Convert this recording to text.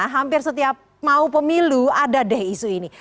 hampir setiap mau pemilu ada deh isu ini